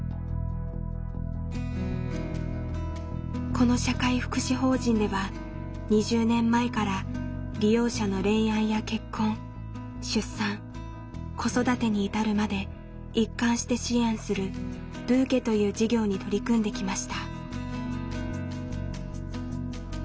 この社会福祉法人では２０年前から利用者の恋愛や結婚出産子育てに至るまで一貫して支援する「ぶけ」という事業に取り組んできました。